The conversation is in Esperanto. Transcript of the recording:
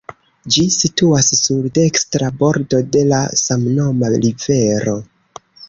Ĝi situas sur dekstra bordo de la samnoma rivero.